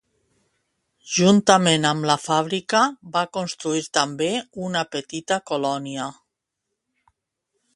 Juntament amb la fàbrica va construir també una petita colònia.